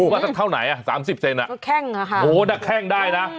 ว่าจะเท่าไหนอะสามสิบเซนติเมตรอะก็แข้งค่ะโอ้น่ะแข้งได้นะ